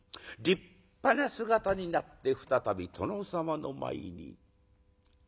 立派な姿になって再び殿様の前に。